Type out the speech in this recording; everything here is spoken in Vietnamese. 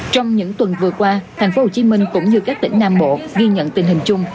trong những tuần vừa qua tp hcm cũng như các tỉnh nam bộ ghi nhận tình hình chung